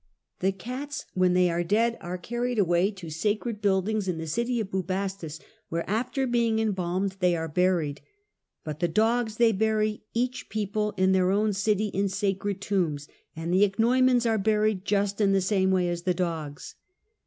The cats when they are dead are carried away to sacred buildings in the city of Bubastis, where after being embalmed they are buried; but the dogs they bury each people in their own city in sacred tombs; and the ichneumons are buried just in the same way as the dogs.